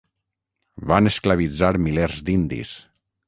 Van esclavitzar milers d'indis.